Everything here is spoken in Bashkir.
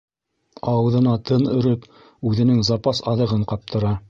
Ауыҙына тын өрөп, үҙенең запас аҙығын ҡаптыра.